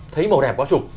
thấy màu đẹp quá chụp